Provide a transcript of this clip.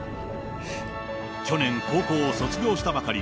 去年、高校を卒業したばかり。